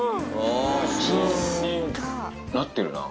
普通になってるな。